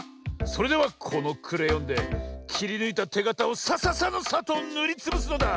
それではこのクレヨンできりぬいたてがたをサササのサッとぬりつぶすのだ！